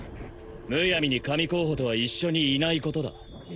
むやみに神候補とは一緒にいないことだ